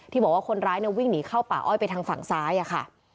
บอกว่าคนร้ายวิ่งหนีเข้าป่าอ้อยไปทางฝั่งซ้ายอะค่ะ